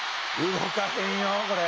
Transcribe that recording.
動かへんよこれ」